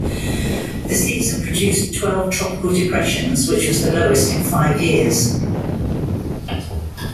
The season produced twelve tropical depressions, which was the lowest in five years.